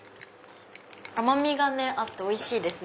甘みがあっておいしいですね。